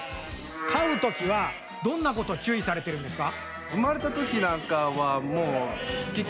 かうときはどんなことちゅういされてるんですか？